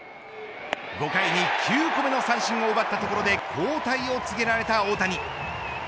５回に９個目の三振を奪ったところで交代を告げられた大谷。